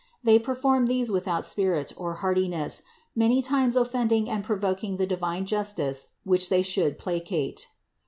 They perform these without spirit or heartiness, many times offending and provoking the divine justice which they should placate.